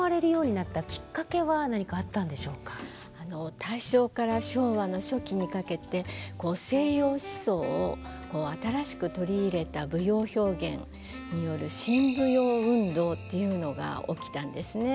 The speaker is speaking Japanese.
大正から昭和の初期にかけて西洋思想を新しく取り入れた舞踊表現による新舞踊運動というのが起きたんですね。